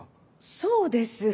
そうです。